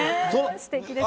すてきですね。